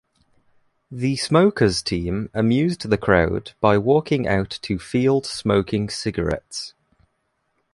The Smokers team amused the crowd by walking out to field smoking cigarettes.